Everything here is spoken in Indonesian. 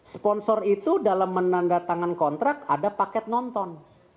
sponsor itu dalam menandatangan kontrak ada paket nonton